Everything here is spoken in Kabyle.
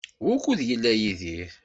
Wukud yella Yidir?